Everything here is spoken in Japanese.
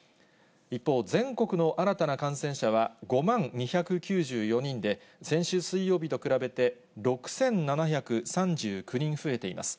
一方、全国の新たな感染者は５万２９４人で、先週水曜日と比べて、６７３９人増えています。